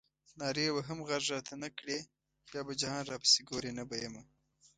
نارې وهم غږ راته نه کړې بیا به جهان راپسې ګورې نه به یمه.